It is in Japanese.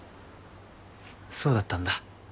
そうだったんだ。